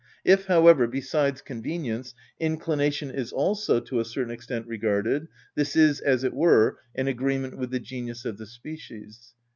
If, however, besides convenience, inclination is also to a certain extent regarded, this is, as it were, an agreement with the genius of the species.